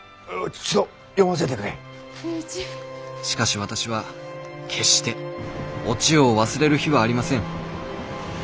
「しかし私は決してお千代を忘れる日はありません。